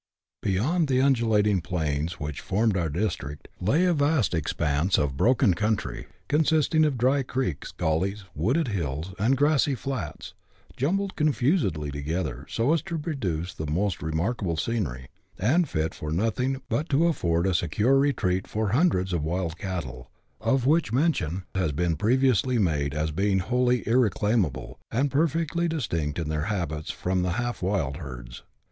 Beyond the undulating plains which formed our district, lay a vast expanse of broken country, consisting of dry creeks, gullies, wooded hills, and grassy flats, jumbled confusedly together, so as to produce the most remarkable scenery, and fit for nothing but to afford a secure retreat for hundreds of wild cattle, of which mention has been previously made as being wholly irre claimable, and perfectly distinct in their habits from the half wild herds.